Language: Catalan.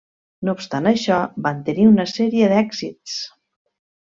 No obstant això, van tenir una sèrie d'èxits.